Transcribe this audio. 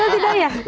betul tidak ya